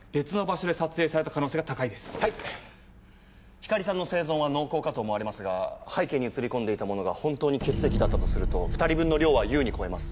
光莉さんの生存は濃厚かと思われますが背景に写り込んでいたものが本当に血液だったとすると２人分の量は優に超えます。